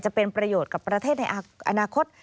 จะเป็นประโยชน์กับประเทศในอนาคต